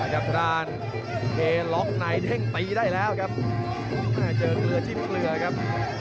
เจอเกลือจิบเกลือครับ